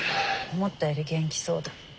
思ったより元気そうだ。